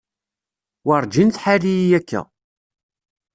Werǧin tḥar-iyi akka.